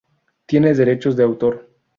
Tiene derechos de autor.